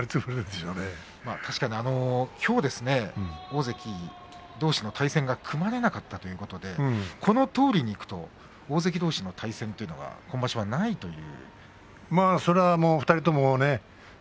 確かにきょう大関どうしの対戦が組まれなかったということでこのとおりにいくと大関どうしの対戦というのは今場所はないという。